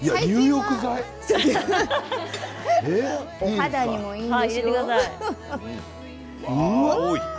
肌にもいいんですよ。